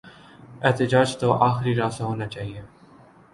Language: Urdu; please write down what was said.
احتجاج تو آخری راستہ ہونا چاہیے۔